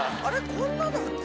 こんなだっけ？